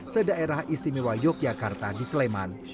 se daerah istimewa yogyakarta di sleman